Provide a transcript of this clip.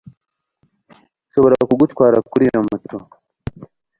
Nshobora kugutwara kuri iyo moto